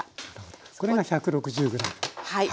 これが１６０ｇはい。